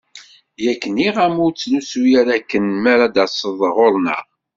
Yak nniɣ-am ur ttlusu ara akken mi ara d-taseḍ ɣur-neɣ.